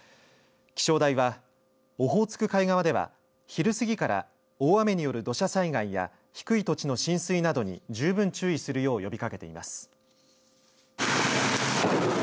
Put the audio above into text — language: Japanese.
気象台はオホーツク海側では昼過ぎから大雨による土砂災害や低い土地の浸水などに十分注意するよう呼びかけています。